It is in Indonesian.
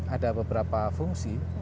ada beberapa fungsi